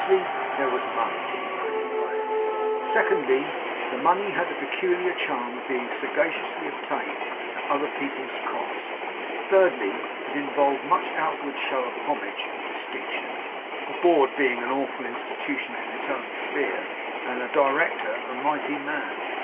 Firstly, there was money to be made by it. Secondly, the money had the peculiar charm of being sagaciously obtained at other people's cost. Thirdly, it involved much outward show of homage and distinction: a board being an awful institution in its own sphere, and a director a mighty man.